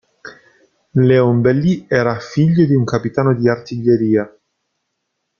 Léon Belly era figlio di un capitano di artiglieria.